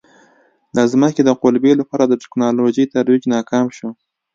د ځمکې د قُلبې لپاره د ټکنالوژۍ ترویج ناکام شو.